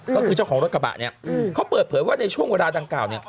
เขาเปิดเผยว่าในช่วงเวลาดังกล่าว